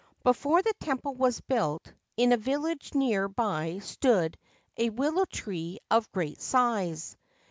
Before the temple was built, in a village near by stood a willow tree of great size.